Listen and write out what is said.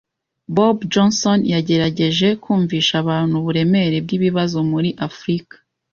Bob Johnson yagerageje kumvisha abantu uburemere bwibibazo muri Afrika.